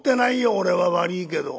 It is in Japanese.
俺は悪いけど。